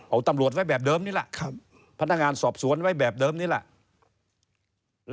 เอาตำรวจไว้แบบเดิมนี่แหละพนักงานสอบสวนไว้แบบเดิมนี่แหละ